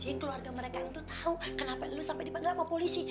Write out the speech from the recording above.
iya siapa tahu ajih keluarga mereka tuh tahu kenapa lu sampai dipanggil sama polisi